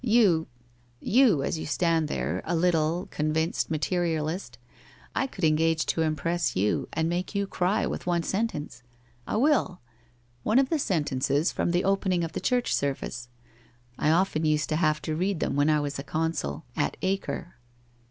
You — you, as you stand there, a little, convinced materialist, I could engage to impress you and make you cry with one sentence. I will. One of the sentences from the opening of the church service. I often used to have to read them when I was consul at Acre.'